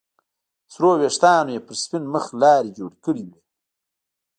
سرو ويښتانو يې پر سپين مخ لارې جوړې کړې وې.